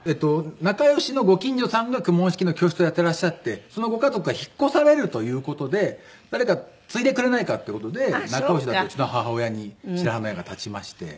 仲良しのご近所さんが公文式の教室をやってらっしゃってそのご家族が引っ越されるという事で誰か継いでくれないかって事で仲良しだったうちの母親に白羽の矢が立ちまして。